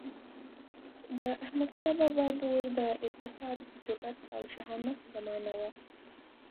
د احمدشاه بابا دور د اتحاد، جرئت او شهامت زمانه وه.